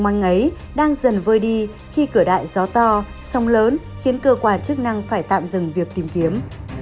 họ mong mong ấy đang dần vơi đi khi cửa đại gió to sông lớn khiến cơ quả chức năng phải tạm dừng việc tìm kiếm